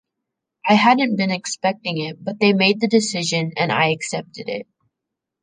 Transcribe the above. I hadn't been expecting it, but they made the decision and I accepted it.